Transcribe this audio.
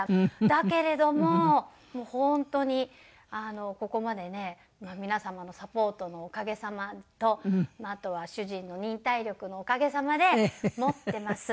だけれども本当にここまでね皆様のサポートのおかげさまとあとは主人の忍耐力のおかげさまでもってます。